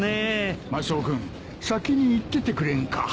マスオ君先に行っててくれんか？